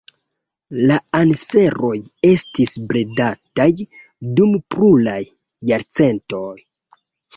La anseroj estis bredataj dum pluraj jarcentoj.